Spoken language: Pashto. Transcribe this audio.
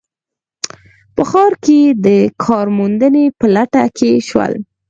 په ښار کې د کار موندنې په لټه کې شول